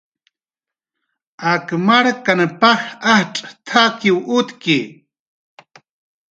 "Ak markan paj ajtz' t""akiw utki"